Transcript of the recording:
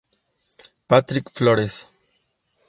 Patrick Flores.